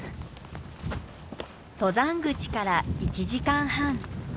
登山口から１時間半。